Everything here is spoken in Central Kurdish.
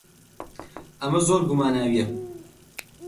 ئەمە زۆر گوماناوییە.